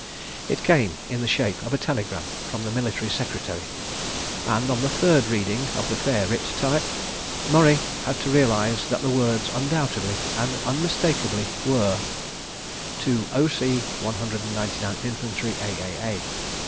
It came in the shape of a telegram from the Military Secretary, and, on the third reading of the fair writ type, Murray had to realise that the words undoubtedly and unmistakably were: To O.C. 199th Infantry, _A.A.A.